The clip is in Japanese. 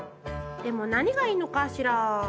でも何がいいのかしら？